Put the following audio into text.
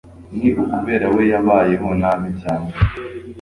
Ni ukubera we yabayeho nabi cyane.